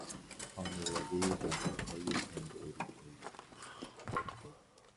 خانوادهی زبانهای هند و اروپایی